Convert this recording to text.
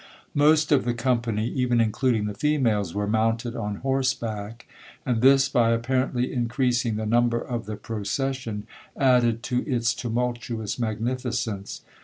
'Most of the company, even including the females, were mounted on horseback, and this, by apparently increasing the number of the procession, added to its tumultuous magnificence.